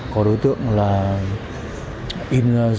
có đối tượng là in giấy gián ảnh đồng dấu giáp lai